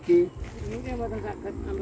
ini yang akan terang